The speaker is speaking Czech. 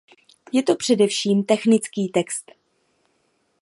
Je to především technický text.